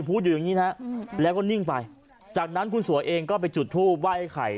พูดอยู่อย่างงี้นะแล้วก็นิ่งไปจากนั้นคุณสวยเองก็ไปจุดทูปไห้ไอ้ไข่